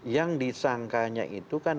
yang disangkanya itu kan